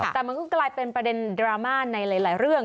แต่มันก็กลายเป็นประเด็นดราม่าในหลายเรื่อง